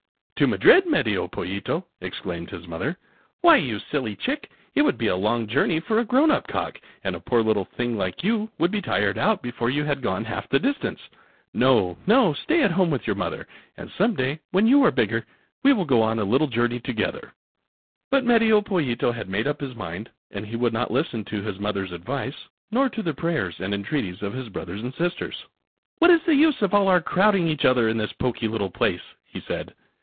"To Madrid, Medio Pollito!" exclaimed his mother. "Why, you silly chick, it would be a long Journey for a grown up cock, and a poor little thing like you would be tired out before you had gone half the distance. No, no, stay at home with your mother, and some day, when you are bigger, we will go a little journey together." But Medio Pollito had made up his mind, and he would not listen to his mother's advice nor to the prayers and entreaties of his brothers and sisters. "What is the use of our all crowding each other up in this poky little place?" he said.